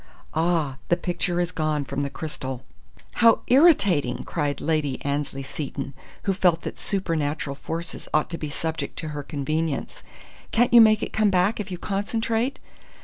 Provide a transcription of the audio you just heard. Ah, the picture is gone from the crystal!" "How irritating!" cried Lady Annesley Seton, who felt that supernatural forces ought to be subject to her convenience. "Can't you make it come back if you concentrate?"